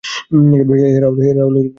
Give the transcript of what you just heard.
হে, রাহুল, এদিকে আসো।